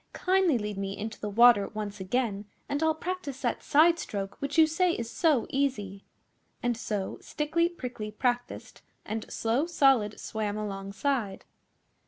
Kindly lead me into the water once again and I'll practice that side stroke which you say is so easy.' And so Stickly Prickly practiced, and Slow Solid swam alongside.